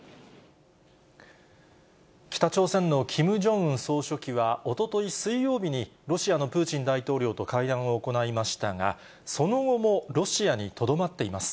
北朝鮮のキム・ジョンウン総書記は、おととい水曜日にロシアのプーチン大統領と会談を行いましたが、その後もロシアにとどまっています。